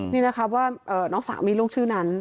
นี่นะคะว่าน้องสาวมีลูกชื่อนั้น